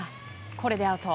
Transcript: これでアウト。